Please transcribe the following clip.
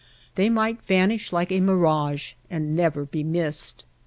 They might vanish like a mirage and never be missed.